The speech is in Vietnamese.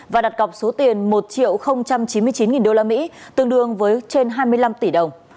và đặt gọc số tiền một chín mươi chín usd tương đương với trên hai mươi năm tỷ đồng